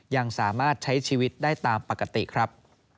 ยังสามารถใช้ชีวิตได้ตามปกติครับ